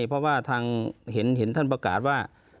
เพราะว่าทางเห็นท่านประกาศว่า